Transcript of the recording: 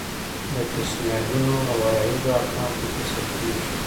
د پیشنهادونو او عرایضو احکام پکې ثبتیږي.